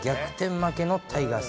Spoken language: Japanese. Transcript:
負けのタイガース。